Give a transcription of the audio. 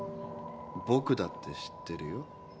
僕だって知ってるよ。